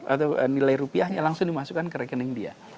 atau nilai rupiahnya langsung dimasukkan ke rekening dia